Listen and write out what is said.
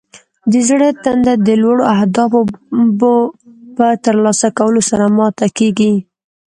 د زړه تنده د لوړو اهدافو په ترلاسه کولو سره ماته کیږي.